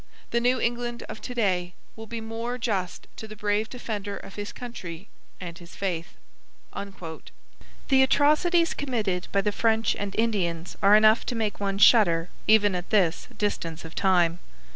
The New England of to day will be more just to the brave defender of his country and his faith.' The atrocities committed by the French and Indians are enough to make one shudder even at this distance of time.